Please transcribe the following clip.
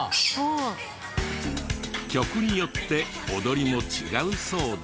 曲によって踊りも違うそうで。